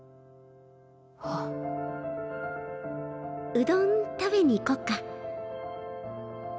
うどん食べに行こっか。